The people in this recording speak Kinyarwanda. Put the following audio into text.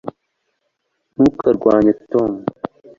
ntukarwanye tom